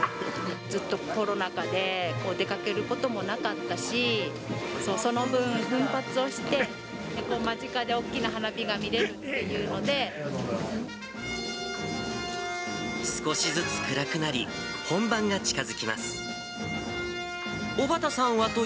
ずっとコロナ禍で、出かけることもなかったし、その分、奮発をして、間近で大きな花火が少しずつ暗くなり、本番が近づきます。